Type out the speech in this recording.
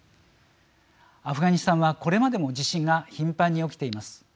アフガニスタンは、これまでも地震が頻繁に起きています。